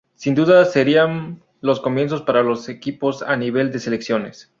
Sin duda serían los comienzos para los equipos a nivel de selecciones.